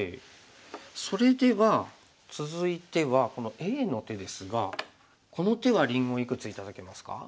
それでは続いてはこのＡの手ですがこの手はりんごいくつ頂けますか？